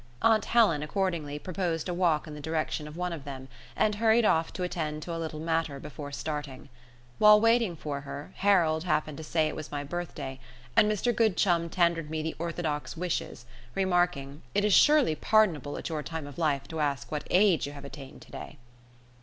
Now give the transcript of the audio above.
Aunt Helen, accordingly, proposed a walk in the direction of one of them, and hurried off to attend to a little matter before starting. While waiting for her, Harold happened to say it was my birthday, and Mr Goodchum tendered me the orthodox wishes, remarking, "It is surely pardonable at your time of life to ask what age you have attained today?"